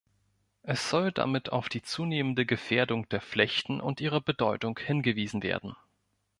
Es soll damit auf die zunehmende Gefährdung der Flechten und ihre Bedeutung hingewiesen werden.